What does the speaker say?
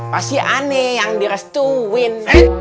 pasti aneh yang direstuin